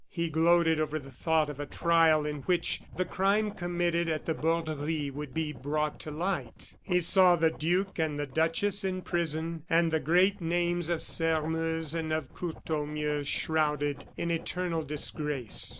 He gloated over the thought of a trial in which the crime committed at the Borderie would be brought to light; he saw the duke and the duchess in prison, and the great names of Sairmeuse and of Courtornieu shrouded in eternal disgrace.